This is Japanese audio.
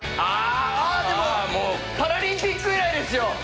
あでもパラリンピック以来ですよ。